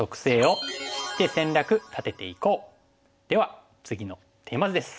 では次のテーマ図です。